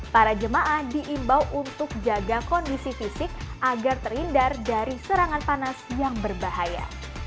para jemaah diimbau untuk jaga kondisi fisik agar terhindar dari serangan panas yang berbahaya